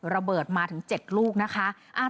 ระเบิดมาถึง๗ลูกนะคะ